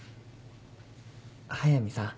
速見さん。